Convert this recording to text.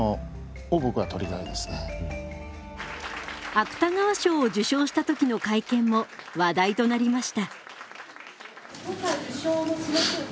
芥川賞を受賞した時の会見も話題となりました。